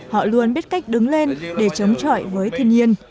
họ luôn biết cách đứng lên để chống chọi với thiên nhiên